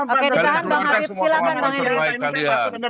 oke ditahan bang habib silahkan bang henry